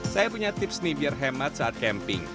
saya punya tips nih biar hemat saat camping